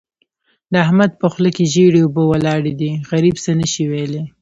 د احمد په خوله کې ژېړې اوبه ولاړې دي؛ غريب څه نه شي ويلای.